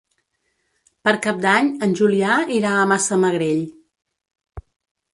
Per Cap d'Any en Julià irà a Massamagrell.